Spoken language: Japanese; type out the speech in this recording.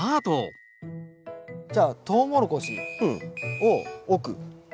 じゃあトウモロコシを奥。